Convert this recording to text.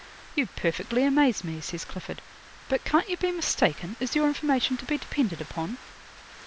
'"You perfectly amaze me," says Clifford. "But can't you be mistaken? Is your information to be depended upon?"